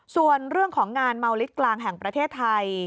ส่วนเรื่องของงานเมาลิสต์กลางแห่งประเทศไทย